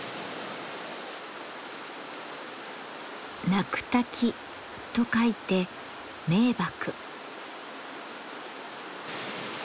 「鳴く滝」と書いて「鳴瀑」。